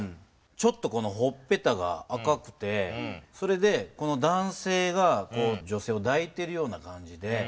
ちょっとほっぺたが赤くてそれでこの男性がこう女性をだいてるような感じで。